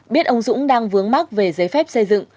biết ông dũng đang vướng mắc về giấy phép xây dựng